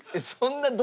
そんな！